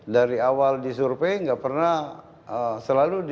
dari awal disurvey enggak pernah selalu didatangi